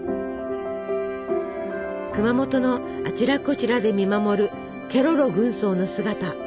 熊本のあちらこちらで見守るケロロ軍曹の姿。